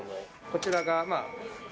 こちらが。